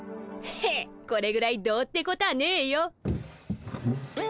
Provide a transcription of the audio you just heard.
ヘッこれぐらいどうってことはねえよ。